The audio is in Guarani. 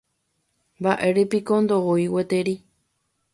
Mba'érepiko ndoúi gueteri.